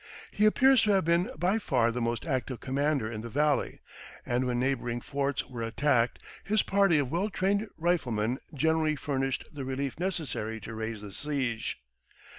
He appears to have been by far the most active commander in the valley, and when neighboring forts were attacked his party of well trained riflemen generally furnished the relief necessary to raise the siege.